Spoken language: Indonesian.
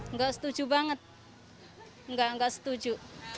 nggak setuju banget nggak setuju